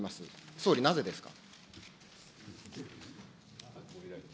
総理、なぜですか。